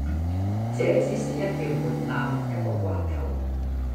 這只是一條門檻，一個關頭。